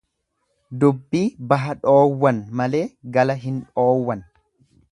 Dubbii baha dhoowwan malee gala hin dhoowwan.